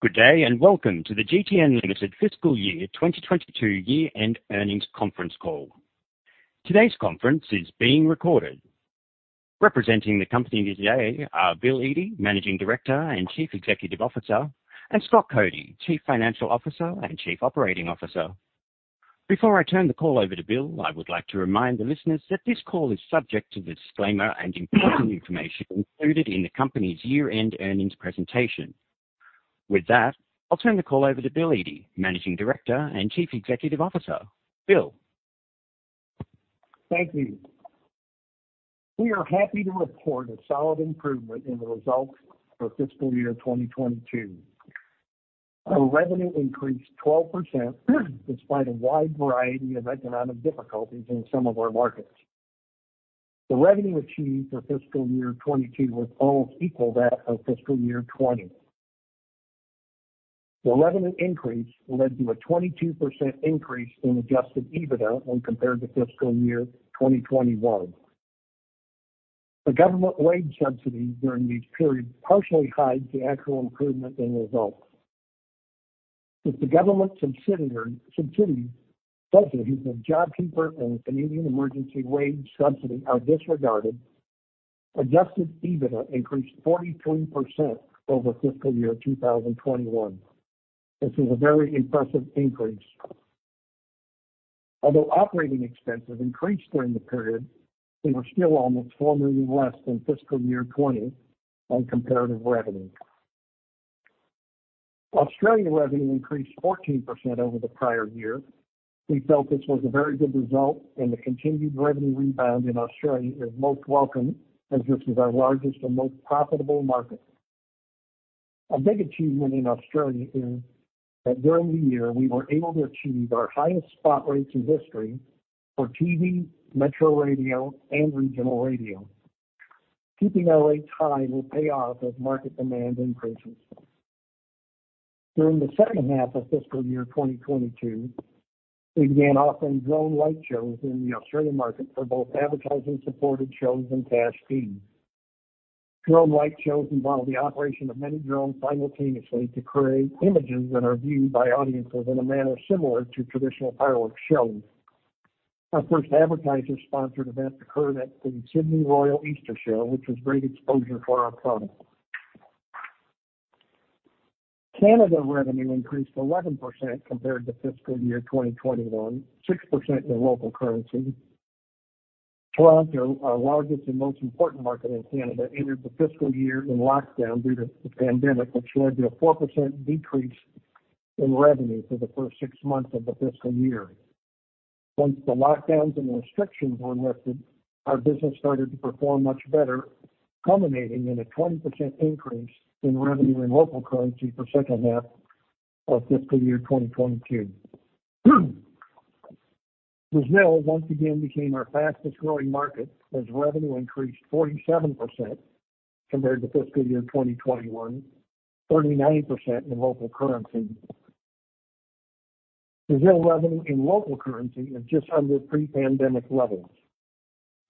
Good day, and welcome to the GTN Limited Fiscal Year 2022 year-end earnings conference call. Today's conference is being recorded. Representing the company today are William Yde, Managing Director and Chief Executive Officer, and Scott Cody, Chief Financial Officer and Chief Operating Officer. Before I turn the call over to Bill, I would like to remind the listeners that this call is subject to the disclaimer and important information included in the company's year-end earnings presentation. With that, I'll turn the call over to William Yde, Managing Director and Chief Executive Officer. Bill. Thank you. We are happy to report a solid improvement in the results for fiscal year 2022. Our revenue increased 12% despite a wide variety of economic difficulties in some of our markets. The revenue achieved for fiscal year 2022 was almost equal that of fiscal year 2020. The revenue increase led to a 22% increase in adjusted EBITDA when compared to fiscal year 2021. The government wage subsidy during this period partially hides the actual improvement in results. If the government subsidies of JobKeeper and Canada Emergency Wage Subsidy are disregarded, adjusted EBITDA increased 43% over fiscal year 2021. This is a very impressive increase. Although operating expenses increased during the period, they were still almost 4 million less than fiscal year 2020 on comparative revenue. Australia revenue increased 14% over the prior year. We felt this was a very good result, and the continued revenue rebound in Australia is most welcome as this is our largest and most profitable market. A big achievement in Australia is that during the year we were able to achieve our highest spot rates in history for TV, metro radio, and regional radio. Keeping our rates high will pay off as market demand increases. During the second half of fiscal year 2022, we began offering drone light shows in the Australian market for both advertising-supported shows and cash fee. Drone light shows involve the operation of many drones simultaneously to create images that are viewed by audiences in a manner similar to traditional fireworks shelling. Our first advertiser-sponsored event occurred at the Sydney Royal Easter Show, which was great exposure for our product. Canada revenue increased 11% compared to fiscal year 2021, 6% in local currency. Toronto, our largest and most important market in Canada, entered the fiscal year in lockdown due to the pandemic, which led to a 4% decrease in revenue for the first six months of the fiscal year. Once the lockdowns and restrictions were lifted, our business started to perform much better, culminating in a 20% increase in revenue in local currency for second half of fiscal year 2022. Brazil once again became our fastest-growing market as revenue increased 47% compared to fiscal year 2021, 39% in local currency. Brazil revenue in local currency is just under pre-pandemic levels.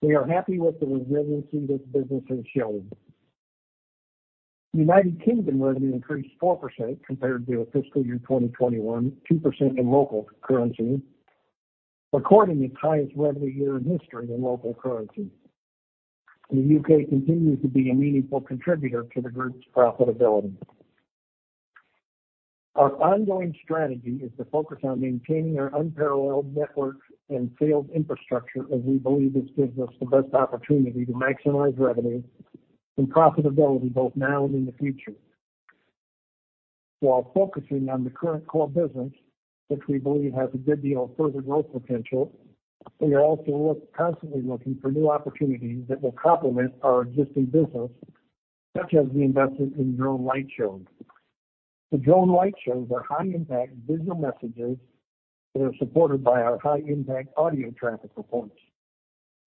We are happy with the resiliency this business has shown. United Kingdom revenue increased 4% compared to fiscal year 2021, 2% in local currency, recording its highest revenue year in history in local currency. The U.K. continues to be a meaningful contributor to the group's profitability. Our ongoing strategy is to focus on maintaining our unparalleled network and sales infrastructure, as we believe this gives us the best opportunity to maximize revenue and profitability both now and in the future. While focusing on the current core business, which we believe has a good deal of further growth potential, we are also constantly looking for new opportunities that will complement our existing business, such as the investment in drone light shows. The drone light shows are high-impact visual messages that are supported by our high-impact audio traffic reports.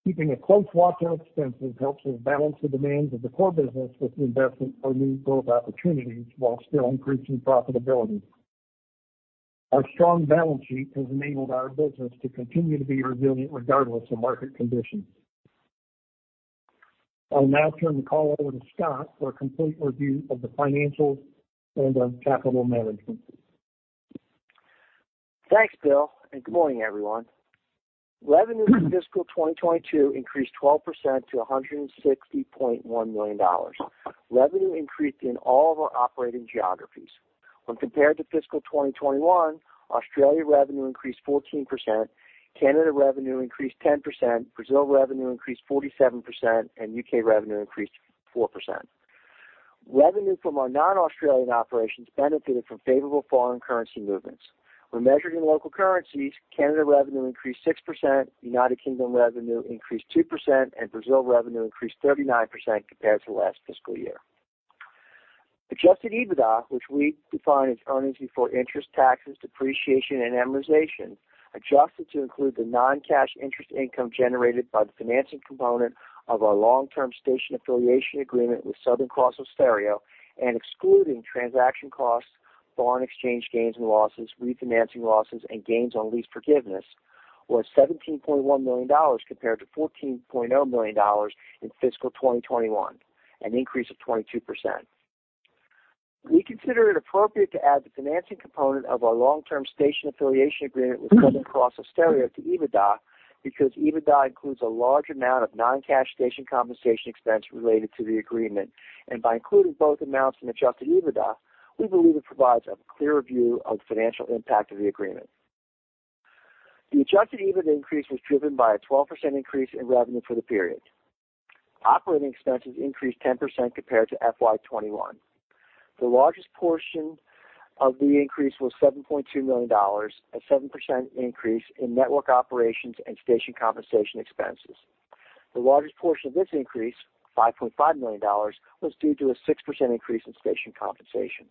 Keeping a close watch on expenses helps us balance the demands of the core business with the investment for new growth opportunities while still increasing profitability. Our strong balance sheet has enabled our business to continue to be resilient regardless of market conditions. I'll now turn the call over to Scott for a complete review of the financials and our capital management. Thanks, Bill, and good morning, everyone. Revenue for fiscal 2022 increased 12% to AUD 160.1 million. Revenue increased in all of our operating geographies. When compared to fiscal 2021, Australia revenue increased 14%, Canada revenue increased 10%, Brazil revenue increased 47%, and UK revenue increased 4%. Revenue from our non-Australian operations benefited from favorable foreign currency movements. When measured in local currencies, Canada revenue increased 6%, United Kingdom revenue increased 2%, and Brazil revenue increased 39% compared to last fiscal year. Adjusted EBITDA, which we define as earnings before interest, taxes, depreciation, and amortization, adjusted to include the non-cash interest income generated by the financing component of our long-term station affiliation agreement with Southern Cross Austereo and excluding transaction costs, foreign exchange gains and losses, refinancing losses, and gains on lease forgiveness. Was 17.1 million dollars compared to 14.0 million dollars in fiscal 2021, an increase of 22%. We consider it appropriate to add the financing component of our long-term station affiliation agreement with Seven Network to EBITDA because EBITDA includes a large amount of non-cash station compensation expense related to the agreement. By including both amounts in adjusted EBITDA, we believe it provides a clearer view of the financial impact of the agreement. The adjusted EBIT increase was driven by a 12% increase in revenue for the period. Operating expenses increased 10% compared to FY 2021. The largest portion of the increase was 7.2 million dollars, a 7% increase in network operations and station compensation expenses. The largest portion of this increase, 5.5 million dollars, was due to a 6% increase in station compensation.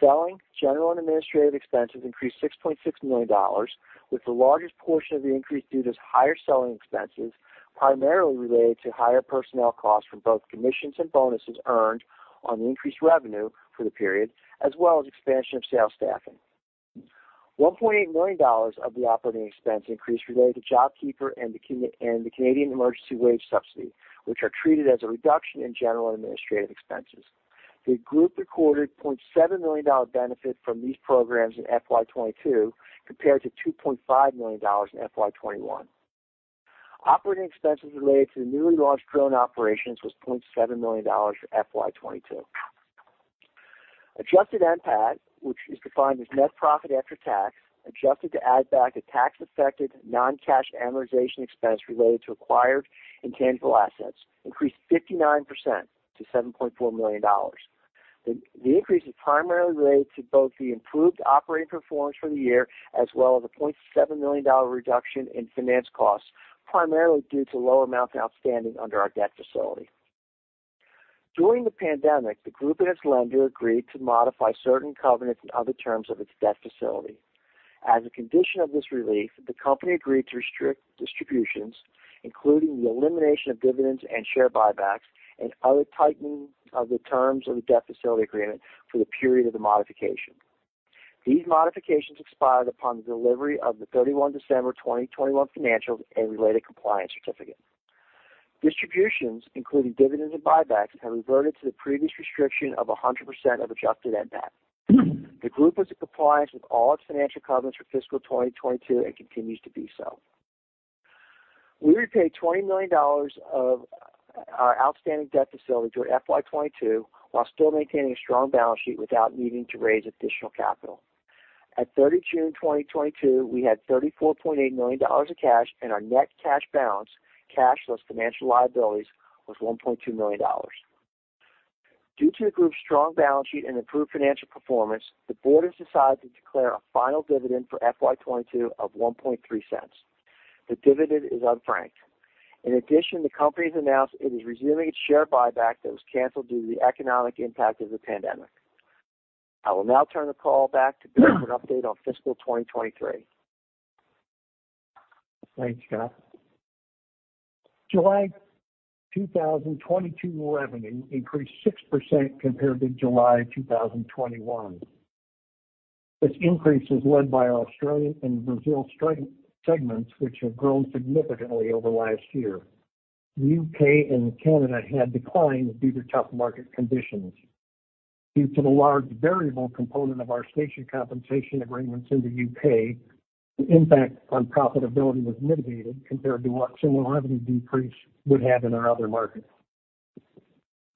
Selling, general, and administrative expenses increased 6.6 million dollars, with the largest portion of the increase due to higher selling expenses, primarily related to higher personnel costs from both commissions and bonuses earned on the increased revenue for the period, as well as expansion of sales staffing. 1.8 million dollars of the operating expense increase related to JobKeeper and the Canada Emergency Wage Subsidy, which are treated as a reduction in general and administrative expenses. The group recorded 0.7 million dollar benefit from these programs in FY 2022 compared to 2.5 million dollars in FY 2021. Operating expenses related to the newly launched drone operations was 0.7 million dollars in FY 2022. Adjusted NPAT, which is defined as net profit after tax, adjusted to add back the tax affected non-cash amortization expense related to acquired intangible assets, increased 59% to 7.4 million dollars. The increase is primarily related to both the improved operating performance for the year as well as a 0.7 million dollar reduction in finance costs, primarily due to low amounts outstanding under our debt facility. During the pandemic, the group and its lender agreed to modify certain covenants and other terms of its debt facility. As a condition of this relief, the company agreed to restrict distributions, including the elimination of dividends and share buybacks and other tightening of the terms of the debt facility agreement for the period of the modification. These modifications expired upon the delivery of the 31 December 2021 financials and related compliance certificate. Distributions, including dividends and buybacks, have reverted to the previous restriction of 100% of Adjusted NPAT. The group was in compliance with all its financial covenants for fiscal 2022 and continues to be so. We repaid 20 million dollars of our outstanding debt facility for FY 2022 while still maintaining a strong balance sheet without needing to raise additional capital. At 30 June 2022, we had AUD 34.8 million of cash, and our net cash balance, cash less financial liabilities, was 1.2 million dollars. Due to the group's strong balance sheet and improved financial performance, the board has decided to declare a final dividend for FY 2022 of 0.013. The dividend is unfranked. In addition, the company has announced it is resuming its share buyback that was canceled due to the economic impact of the pandemic. I will now turn the call back to William Yde for an update on fiscal 2023. Thanks, Scott. July 2022 revenue increased 6% compared to July 2021. This increase was led by our Australia and Brazil segments, which have grown significantly over last year. UK and Canada had declines due to tough market conditions. Due to the large variable component of our station compensation agreements in the UK, the impact on profitability was mitigated compared to what similar revenue decrease would have in our other markets.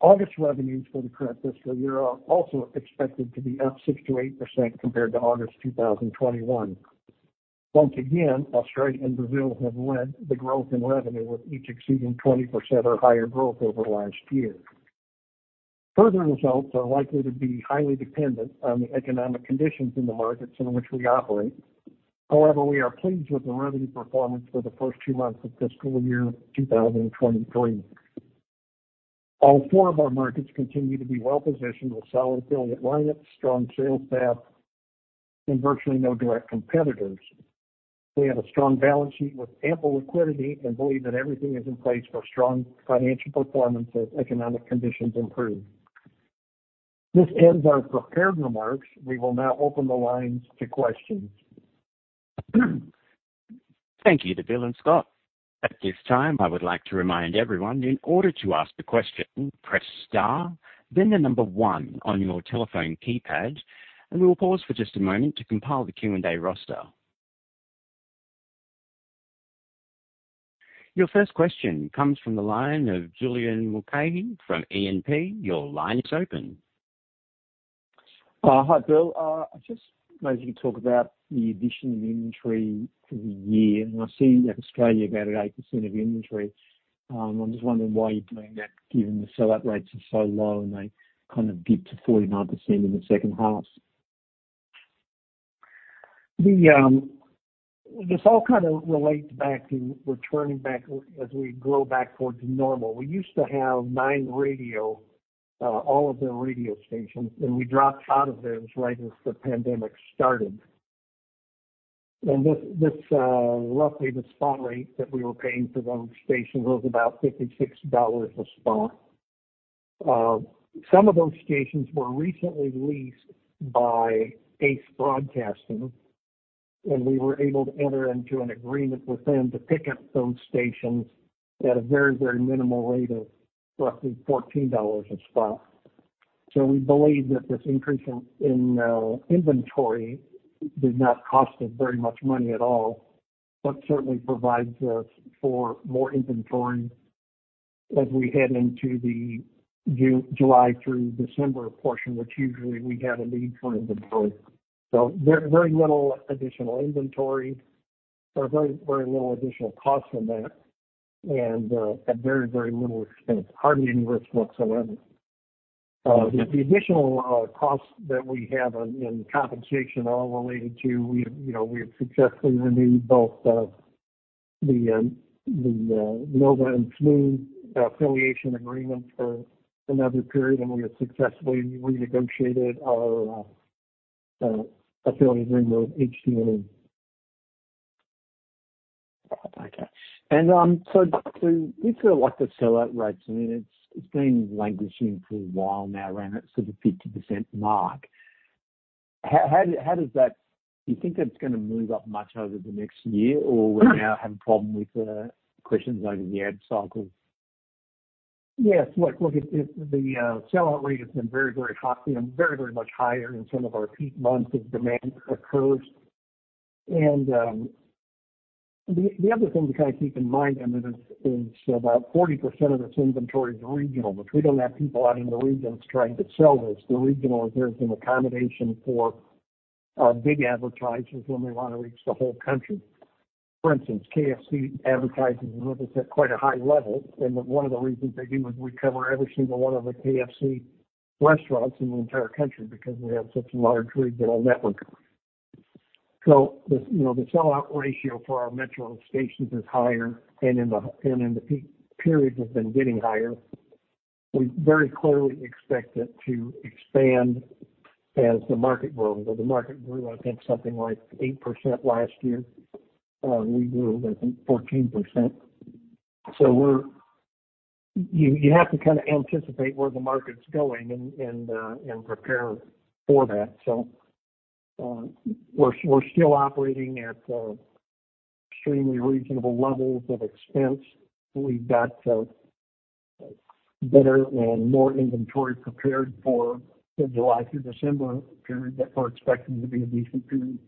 August revenues for the current fiscal year are also expected to be up 6%-8% compared to August 2021. Once again, Australia and Brazil have led the growth in revenue, with each exceeding 20% or higher growth over last year. Further results are likely to be highly dependent on the economic conditions in the markets in which we operate. However, we are pleased with the revenue performance for the first two months of fiscal year 2023. All four of our markets continue to be well-positioned with solid affiliate lineups, strong sales staff, and virtually no direct competitors. We have a strong balance sheet with ample liquidity and believe that everything is in place for strong financial performance as economic conditions improve. This ends our prepared remarks. We will now open the lines to questions. Thank you to Bill and Scott. At this time, I would like to remind everyone in order to ask the question, press star, then the number one on your telephone keypad, and we will pause for just a moment to compile the Q&A roster. Your first question comes from the line of Julian Mulcahy from E&P. Your line is open. Hi, Bill. I just wonder if you could talk about the addition of inventory for the year. I see you have Australia about at 8% of inventory. I'm just wondering why you're doing that, given the sellout rates are so low, and they kind of get to 49% in the second half. This all kind of relates back in returning back as we grow back towards normal. We used to have nine, all of the radio stations, and we dropped out of those right as the pandemic started. This roughly the spot rate that we were paying for those stations was about 56 dollars a spot. Some of those stations were recently leased by Ace Radio Broadcasters, and we were able to enter into an agreement with them to pick up those stations at a very, very minimal rate of roughly 14 dollars a spot. We believe that this increase in inventory did not cost us very much money at all, but certainly provides us for more inventory as we head into the July through December portion, which usually we have a need for inventory. Very little additional inventory for very little additional cost from that and at very little expense, hardly any risk whatsoever. The additional costs that we have in compensation are related to we, you know, we have successfully renewed both the Nova and Smooth affiliation agreement for another period, and we have successfully renegotiated our affiliate agreement with HT&E. with the, like, the sellout rates, I mean, it's been languishing for a while now around that sort of 50% mark. How does that? Do you think that's gonna move up much over the next year or we now have a problem with questions over the ad cycle? Yes. Look, the sellout rate has been very high for them, very much higher in some of our peak months as demand occurs. The other thing to kind of keep in mind, Julian Mulcahy, is about 40% of this inventory is regional, which we don't have people out in the regions trying to sell this. The regional is there as an accommodation for big advertisers when they wanna reach the whole country. For instance, KFC advertises with us at quite a high level. One of the reasons they do is we cover every single one of the KFC restaurants in the entire country because we have such a large regional network. The you know, the sellout ratio for our metro stations is higher, and in the peak periods has been getting higher. We very clearly expect it to expand as the market grows. The market grew, I think, something like 8% last year. We grew, I think, 14%. You have to kinda anticipate where the market's going and prepare for that. We're still operating at extremely reasonable levels of expense. We've got better and more inventory prepared for the July through December period that we're expecting to be a decent period.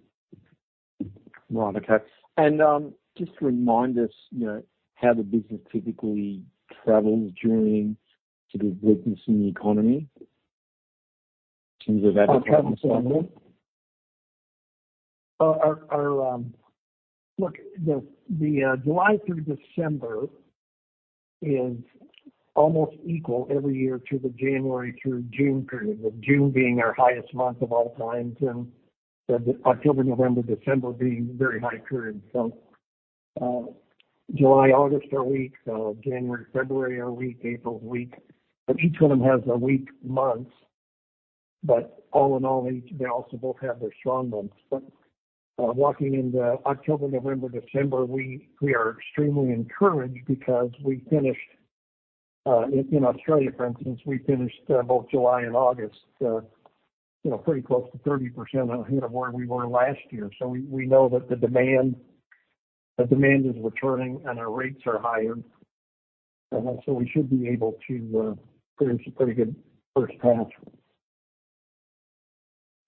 Right. Okay. Just remind us, you know, how the business typically travels during sort of weakness in the economy in terms of advertising. Look, the July through December is almost equal every year to the January through June period, with June being our highest month of all time and the October, November, December being very high periods. July, August are weak. January, February are weak. April's weak. Each one of them has their weak months. All in all, each, they also both have their strong months. Walking into October, November, December, we are extremely encouraged because we finished both July and August, you know, pretty close to 30% ahead of where we were last year. We know that the demand is returning, and our rates are higher. We should be able to produce a pretty good first half.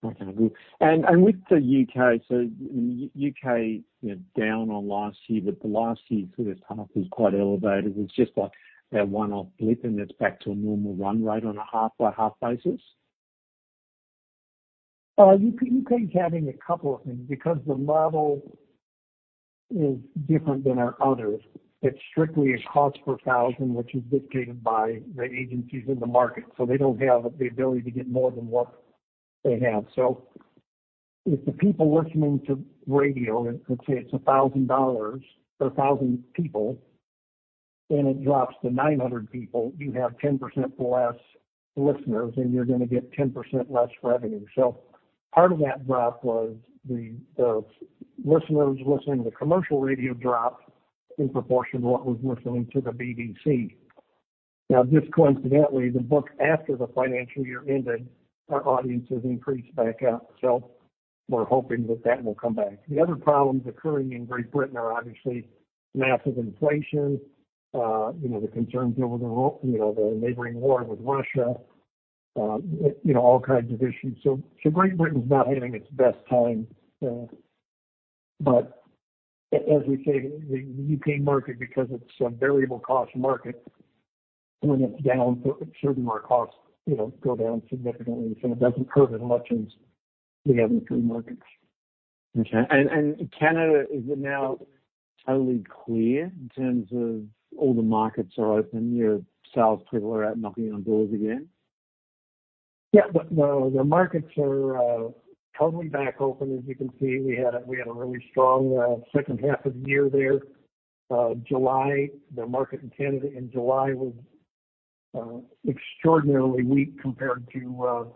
Okay. With the U.K., so U.K., you know, down on last year, but the last year's sort of half was quite elevated. It was just like that one-off blip, and it's back to a normal run rate on a half by half basis. U.K.'s having a couple of things because the model is different than our others. It's strictly a cost per thousand, which is dictated by the agencies in the market. They don't have the ability to get more than what they have. If the people listening to radio, let's say it's $1,000 or 1,000 people, and it drops to 900 people, you have 10% less listeners, and you're gonna get 10% less revenue. Part of that drop was the listeners listening to commercial radio dropped in proportion to what was listening to the BBC. Now, just coincidentally, the book after the financial year ended, our audiences increased back up. We're hoping that that will come back. The other problems occurring in Great Britain are obviously massive inflation, you know, the concerns over, you know, the neighboring war with Russia, you know, all kinds of issues. Great Britain's not having its best time. As we say, the U.K. market, because it's a variable cost market, when it's down for certain, our costs, you know, go down significantly. It doesn't hurt as much as the other two markets. Okay. Canada, is it now totally clear in terms of all the markets are open, your sales people are out knocking on doors again? Yeah. The markets are totally back open. As you can see, we had a really strong second half of the year there. July, the market in Canada in July was extraordinarily weak compared to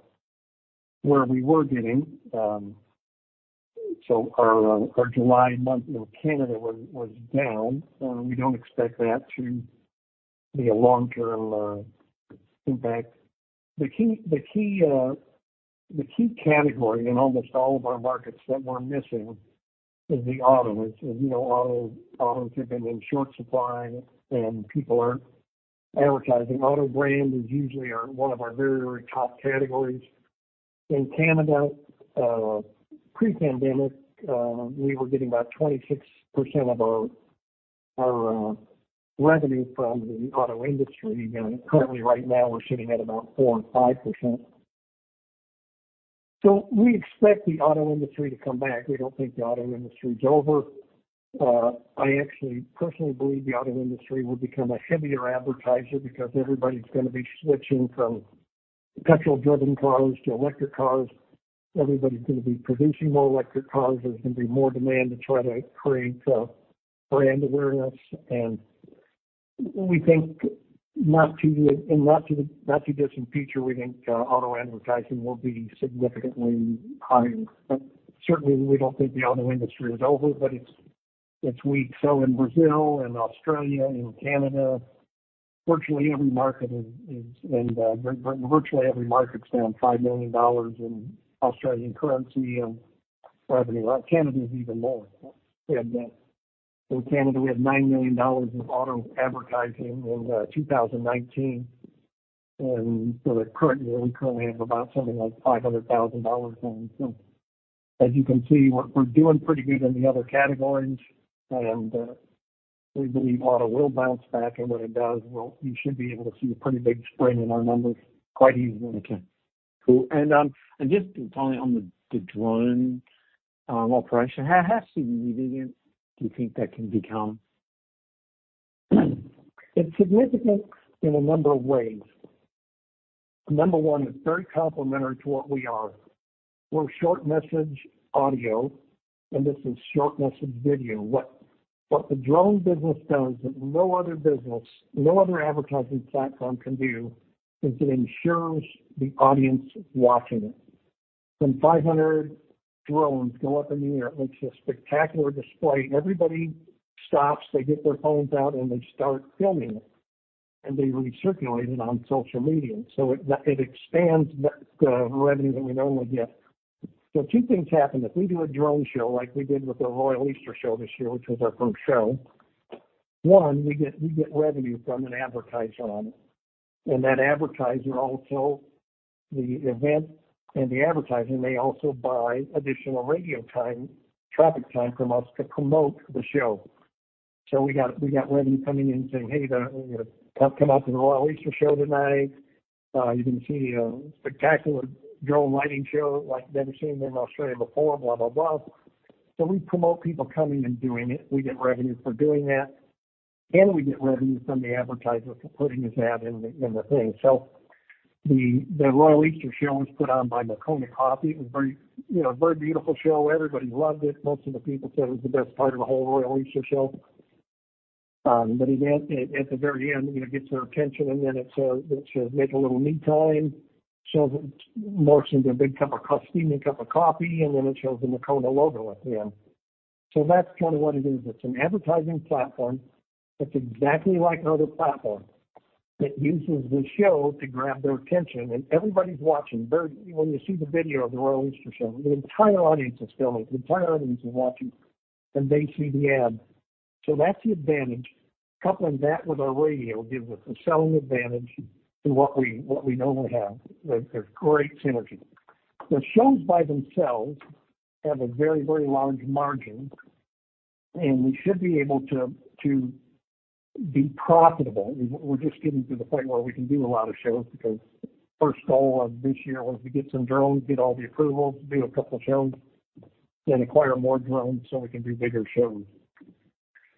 where we were getting. So our July month in Canada was down. We don't expect that to be a long-term impact. The key category in almost all of our markets that we're missing is the auto. As you know, autos have been in short supply, and people aren't advertising. Auto brand is usually one of our very top categories. In Canada, pre-pandemic, we were getting about 26% of our revenue from the auto industry. Currently right now we're sitting at about 4%-5%. We expect the auto industry to come back. We don't think the auto industry is over. I actually personally believe the auto industry will become a heavier advertiser because everybody's gonna be switching from petrol-driven cars to electric cars. Everybody's gonna be producing more electric cars. There's gonna be more demand to try to create brand awareness. We think in not too distant future auto advertising will be significantly higher. Certainly we don't think the auto industry is over, but it's weak. In Brazil and Australia and Canada, virtually every market is virtually every market's down 5 million dollars in Australian currency and revenue. Canada is even more. We had in Canada we had 9 million dollars in auto advertising in 2019. That currently we have about something like 500,000 dollars now. As you can see, we're doing pretty good in the other categories, and we believe auto will bounce back. When it does, we should be able to see a pretty big spring in our numbers quite easily. Cool. Just finally on the drone operation, how significant do you think that can become? It's significant in a number of ways. Number one, it's very complementary to what we are. We're short message audio, and this is short message video. What the drone business does that no other business, no other advertising platform can do is it ensures the audience is watching it. When 500 drones go up in the air, it makes a spectacular display. Everybody stops, they get their phones out, and they start filming it, and they recirculate it on social media. It expands the revenue that we normally get. Two things happen. If we do a drone show, like we did with the Royal Easter Show this year, which was our first show, one, we get revenue from an advertiser on it. That advertiser also, the event and the advertiser, may also buy additional radio time, traffic time from us to promote the show. We got revenue coming in saying, "Hey, you know, come out to the Royal Easter Show tonight. You can see a spectacular drone light show like you've never seen in Australia before," blah, blah. We promote people coming and doing it. We get revenue for doing that, and we get revenue from the advertiser for putting his ad in the thing. The Royal Easter Show was put on by Moccona Coffee. It was very, you know, a very beautiful show. Everybody loved it. Most of the people said it was the best part of the whole Royal Easter Show. But event. At the very end, you know, it gets their attention and then it make a little me time, morphs into a big cup of coffee, steaming cup of coffee, and then it shows the Moccona logo at the end. That's kind of what it is. It's an advertising platform that's exactly like our other platform. It uses the show to grab their attention. Everybody's watching. When you see the video of the Royal Easter Show, the entire audience is filming, the entire audience is watching, and they see the ad. That's the advantage. Coupling that with our radio gives us a selling advantage to what we know we have. There's great synergy. The shows by themselves have a very large margin, and we should be able to be profitable. We're just getting to the point where we can do a lot of shows because first goal of this year was to get some drones, get all the approvals, do a couple shows, then acquire more drones so we can do bigger shows.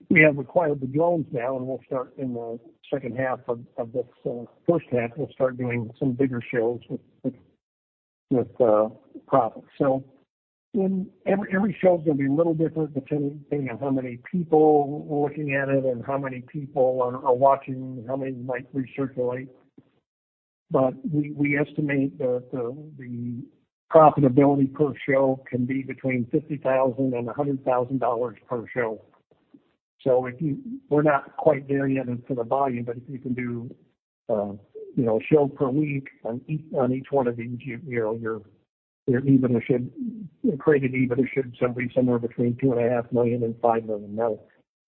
We have acquired the drones now, and we'll start in the second half of this first half. We'll start doing some bigger shows with profit. Every show's gonna be a little different depending on how many people are looking at it and how many people are watching, how many might recirculate. We estimate that the profitability per show can be between 50,000 and 100,000 dollars per show. If you... We're not quite there yet in terms of volume, but if you can do, you know, a show per week on each one of these, you know, your EBITDA should accreted EBITDA should be somewhere between 2.5 million and 5 million.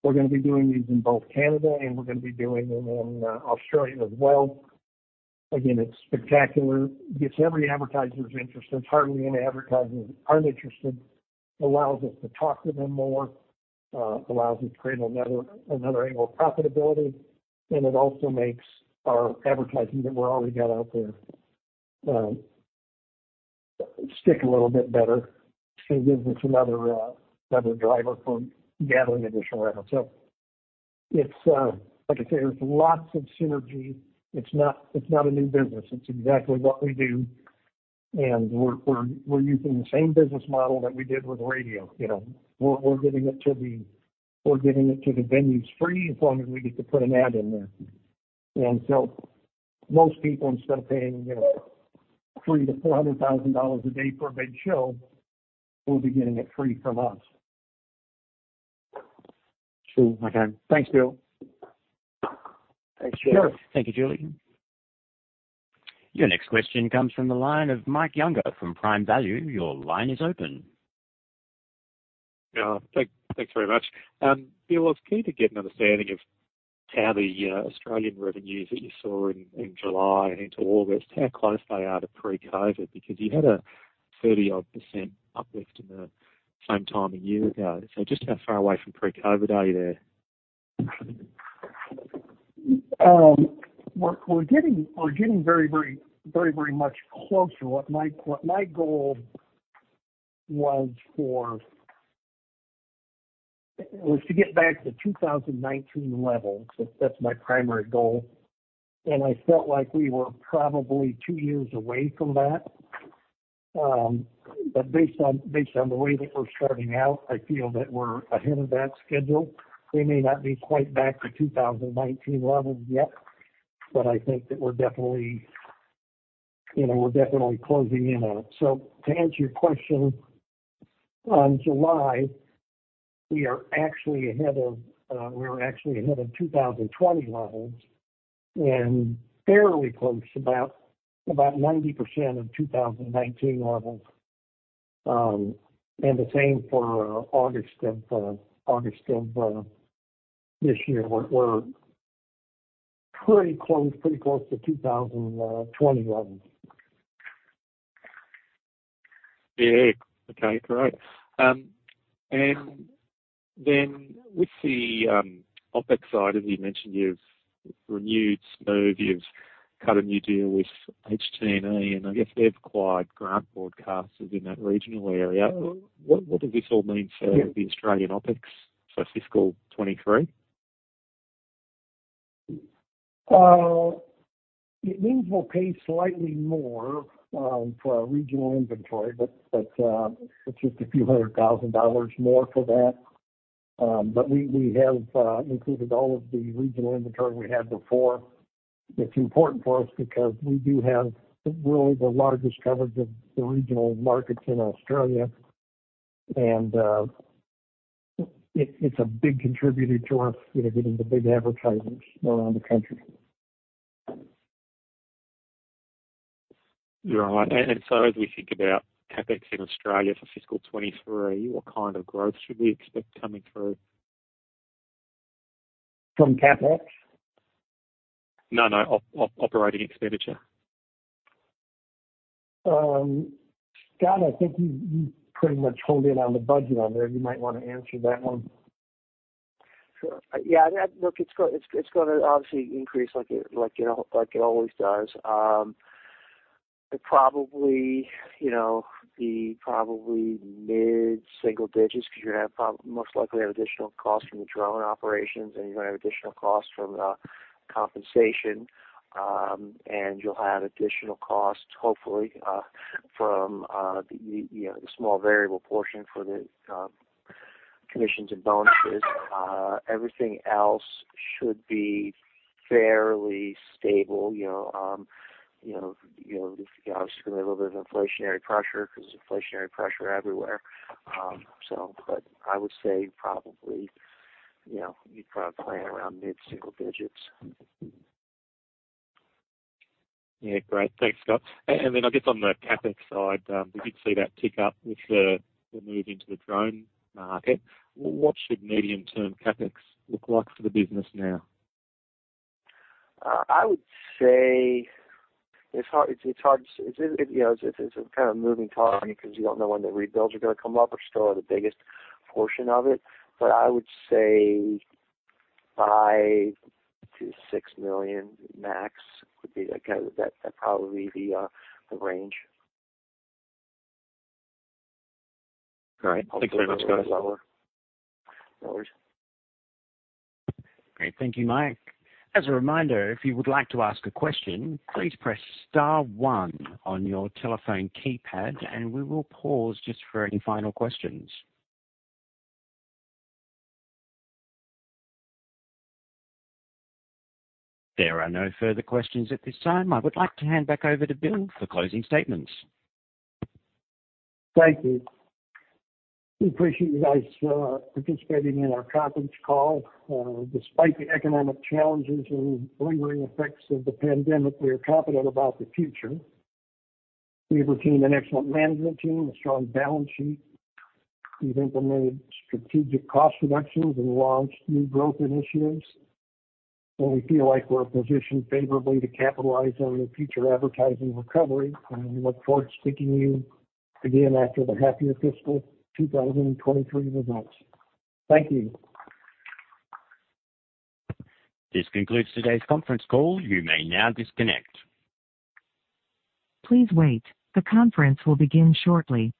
We're gonna be doing these in both Canada, and we're gonna be doing them in Australia as well. Again, it's spectacular. Gets every advertiser's interest. It's hard to be in advertising and not interested. Allows us to talk to them more. Allows us to create another angle of profitability, and it also makes our advertising that we already got out there stick a little bit better. It gives us another driver for gathering additional revenue. It's like I say, there's lots of synergy. It's not a new business. It's exactly what we do. We're using the same business model that we did with radio. You know, we're giving it to the venues free as long as we get to put an ad in there. Most people, instead of paying, you know, 300,000-400,000 dollars a day for a big show, will be getting it free from us. Sure. Okay. Thanks, Bill. Thanks. Sure. Thank you, Julian. Your next question comes from the line of Mike Younger from Prime Value. Your line is open. Yeah. Thanks very much. Bill, I was keen to get an understanding of how the Australian revenues that you saw in July and into August, how close they are to pre-COVID, because you had a 30-odd% uplift in the same time a year ago. Just how far away from pre-COVID are you there? We're getting very much closer. What my goal was for was to get back to 2019 levels. That's my primary goal. I felt like we were probably two years away from that. But based on the way that we're starting out, I feel that we're ahead of that schedule. We may not be quite back to 2019 levels yet, but I think that we're definitely, you know, closing in on it. To answer your question, in July we were actually ahead of 2020 levels and fairly close, about 90% of 2019 levels. The same for August of this year. We're pretty close to 2020 levels. Yeah. Okay, great. With the OpEx side, as you mentioned, you've renewed smoothfm, you've cut a new deal with HT&E, and I guess they've acquired Grant Broadcasters in that regional area. What does this all mean for- Yeah. The Australian OpEx for fiscal 2023? It means we'll pay slightly more for our regional inventory, but it's just AUD a few hundred thousand more for that. We have included all of the regional inventory we had before. It's important for us because we do have really the largest coverage of the regional markets in Australia. It's a big contributor to us, you know, getting the big advertisers around the country. Right. As we think about CapEx in Australia for fiscal 2023, what kind of growth should we expect coming through? From CapEx? No, no. Operating expenditure. Scott, I think you pretty much hold the line on the budget on that. You might wanna answer that one. Sure. Yeah. Look, it's gonna obviously increase like it always does. It probably, you know, be probably mid-single digits% because you're gonna have most likely additional costs from the drone operations, and you're gonna have additional costs from compensation. You'll have additional costs, hopefully from the, you know, the small variable portion for the commissions and bonuses. Everything else should be fairly stable, you know. You know, obviously be a little bit of inflationary pressure 'cause there's inflationary pressure everywhere. I would say probably, you know, you'd probably plan around mid-single digits%. Yeah. Great. Thanks, Scott. Then I guess on the CapEx side, we did see that tick up with the move into the drone market. What should medium-term CapEx look like for the business now? I would say it's hard. You know, it's a kind of moving target because you don't know when the rebuilds are gonna come up, are still the biggest portion of it. But I would say 5-6 million max would be the kind of that probably the range. Great. Thanks very much, guys. Hopefully it'll be lower. Great. Thank you, Mike. As a reminder, if you would like to ask a question, please press star one on your telephone keypad, and we will pause just for any final questions. There are no further questions at this time. I would like to hand back over to Bill for closing statements. Thank you. We appreciate you guys for participating in our conference call. Despite the economic challenges and lingering effects of the pandemic, we are confident about the future. We retain an excellent management team, a strong balance sheet. We've implemented strategic cost reductions and launched new growth initiatives, and we feel like we're positioned favorably to capitalize on the future advertising recovery. We look forward to speaking to you again after the happier fiscal 2023 results. Thank you. This concludes today's conference call. You may now disconnect. Please wait. The conference will begin shortly.